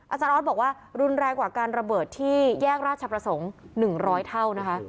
อาจารย์ออสบอกว่ารุนแรงกว่าการระเบิดที่แยกราชประสงค์๑๐๐เท่านะคะ